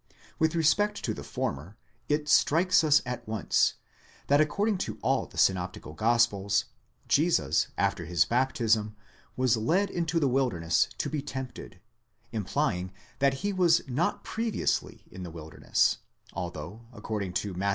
With respect to the former, it strikes us at once, that according to all the synoptical gospels, Jesus after his baptism was led into the wilderness to be tempted, implying that he was not previously in the wilderness, although, according to Matt.